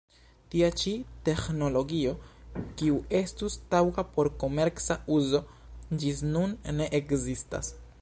Tia ĉi teĥnologio, kiu estus taŭga por komerca uzo, ĝis nun ne ekzistas.